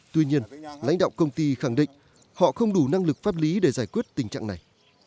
tuy nhiên lãnh đạo công ty khẳng định họ không đủ năng lực pháp lý để giải quyết tình trạng này